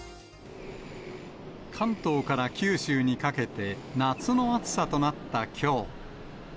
関東から九州にかけて、夏の暑さとなったきょう。